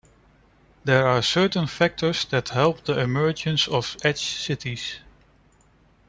There are certain factors that helped the emergence of edge cities.